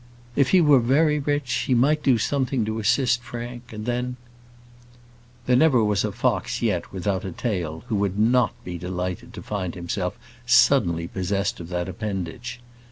"If he were very rich, he might do something to assist Frank; and then " There never was a fox yet without a tail who would not be delighted to find himself suddenly possessed of that appendage.